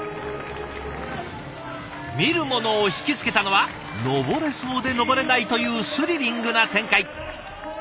見る者を引き付けたのは登れそうで登れないというスリリングな展開。